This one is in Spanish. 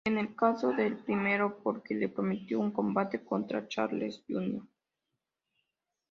En el caso del primero, porque le prometió un combate contra Chávez Jr.